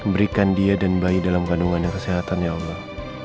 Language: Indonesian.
berikan dia dan bayi dalam kandungan kesehatan ya allah